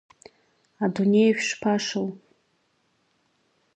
Адунеиажә шԥашоу!